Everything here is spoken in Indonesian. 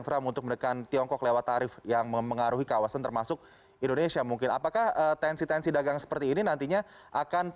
pertanyaan dari pertanyaan pertanyaan pertanyaan